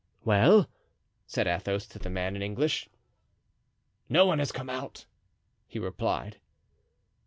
"Well?" said Athos, to the man, in English. "No one has come out," he replied.